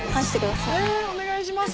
お願いします。